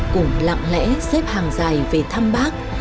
cũng lặng lẽ xếp hàng dài về thăm bác